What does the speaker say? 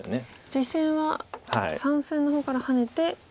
実戦は３線の方からハネて。